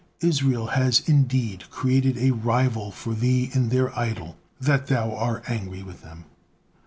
Israel has indeed created a rival for Thee in their idol, that Thou are angry with them.